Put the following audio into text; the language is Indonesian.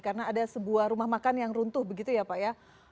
karena ada sebuah rumah makan yang runtuh begitu ya pak ya